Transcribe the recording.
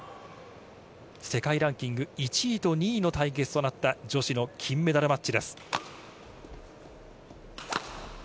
世界ランキング１位と２位の対決となった女子の金メダルマッチです。